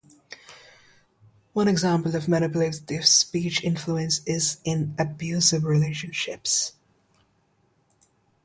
One example of manipulative speech influence is in abusive relationships.